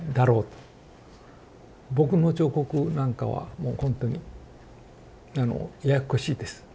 僕の彫刻なんかはもうほんとにあのややっこしいです。